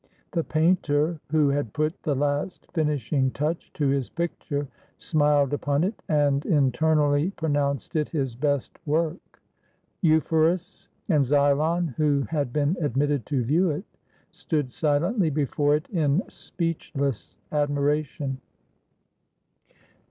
The painter, who had put the last finish ing touch to his picture, smiled upon it, and internally pronounced it his best work. Euphorus and Xylon, who had been admitted to view it, stood silently before it in speechless admiration.